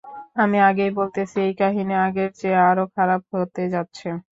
আমি আগেই বলতেছি এই কাহিনি আগের চেয়ে আরো খারাপ হতে যাচ্ছে।